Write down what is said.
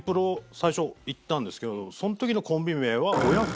最初行ったんですけどその時のコンビ名は。